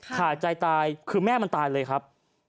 ขาดใจตายคือแม่มันตายเลยครับ